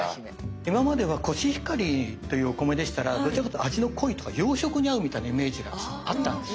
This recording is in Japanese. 今まではコシヒカリというお米でしたらどちらかというと味の濃いとか洋食に合うみたいなイメージがあったんですよね。